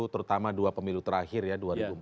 terutama dua pemilu terakhir ya